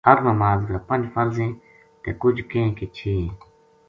ہر نماز کا پنج فرض ہیں۔ تے کجھ کہیں کہ چھ ہیں